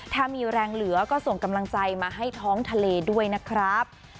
ถ้ามีแรงเหลือก็ส่งกำลังใจมาให้ท้องทะเลด้วยนะครับ